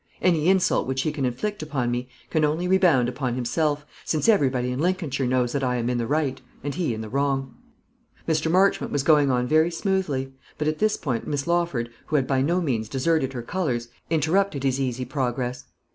Any insult which he can inflict upon me can only rebound upon himself, since everybody in Lincolnshire knows that I am in the right, and he in the wrong." Mr. Marchmont was going on very smoothly; but at this point Miss Lawford, who had by no means deserted her colours, interrupted his easy progress.